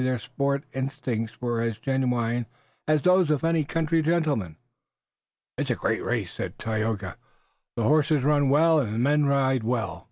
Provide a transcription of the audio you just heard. Their sporting instincts were as genuine as those of any country gentleman. "It is a great race," said Tayoga. "The horses run well and the men ride well.